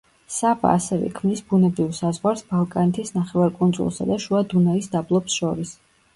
სავა ასევე ქმნის ბუნებრივ საზღვარს ბალკანეთის ნახევარკუნძულსა და შუა დუნაის დაბლობს შორის.